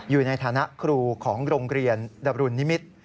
อยู่ในฐานะครูของโรงเรียนดรุนนิมิตร